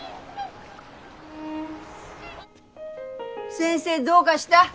先生どうかした？